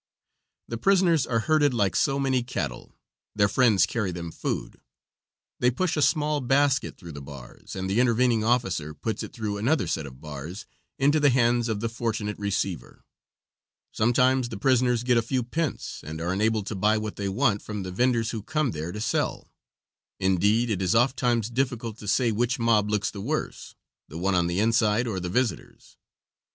The prisoners are herded like so many cattle. Their friends carry them food. They push a small basket through the bars, and the intervening officer puts it through another set of bars into the hands of the fortunate receiver. Sometimes the prisoners get a few pence and are enabled to buy what they want from the venders who come there to sell. Indeed, it is ofttimes difficult to say which mob looks the worse, the one on the inside or the visitors.